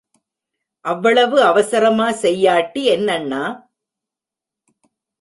அவ்வளவு அவசரமா செய்யாட்டி என்னண்ணா?